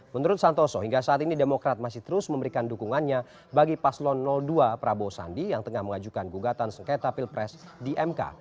menurut santoso hingga saat ini demokrat masih terus memberikan dukungannya bagi paslon dua prabowo sandi yang tengah mengajukan gugatan sengketa pilpres di mk